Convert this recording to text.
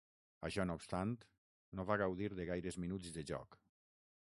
Això no obstant, no va gaudir de gaires minuts de joc.